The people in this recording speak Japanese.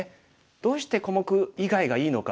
どうして小目以外がいいのか。